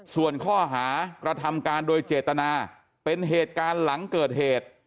ส่วนข้อหากระทำการโดยเจตนาเป็นเหตุการณ์หลังเกิดเหตุ